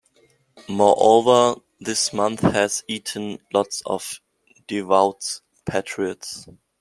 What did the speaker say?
Moreover, this month has "eaten" lots of devout patriots.